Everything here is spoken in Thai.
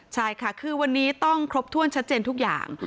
ใช่ค่ะคือวันนี้ต้องครบถ้วนชัดเจนทุกอย่าง